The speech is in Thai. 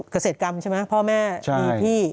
เกษตรกรรมใช่ไหมพ่อแม่มีพี่